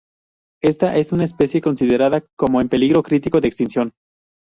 Esta es una especie considerada como en peligro crítico de extinción.